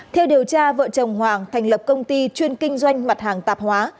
theo điều tra vợ chồng hoàng thành lập công ty chuyên kinh doanh mặt hàng tạp hóa